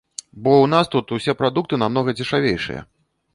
Бо ў нас тут усе прадукты намнога дзешавейшыя.